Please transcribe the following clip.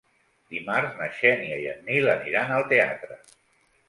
Dimarts na Xènia i en Nil aniran al teatre.